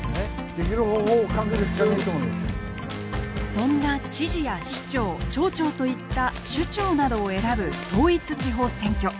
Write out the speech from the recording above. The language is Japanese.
そんな知事や市長町長といった首長などを選ぶ統一地方選挙。